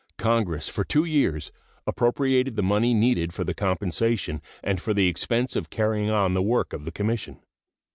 Congress for two years appropriated the money needed for the compensation and for the expense of carrying on the work of the Commission.